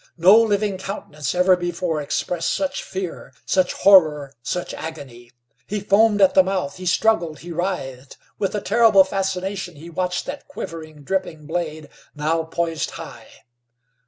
No living countenance ever before expressed such fear, such horror, such agony. He foamed at the mouth, he struggled, he writhed. With a terrible fascination he watched that quivering, dripping blade, now poised high.